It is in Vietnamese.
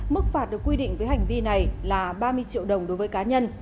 mức phạt được quy định với hành vi này là ba mươi triệu đồng đối với cá nhân